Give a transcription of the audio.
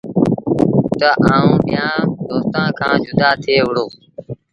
تا آئوٚݩ ٻيآݩ دوستآݩ کآݩ جدآ ٿئي وُهڙو ۔